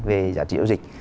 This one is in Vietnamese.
về giá trị giao dịch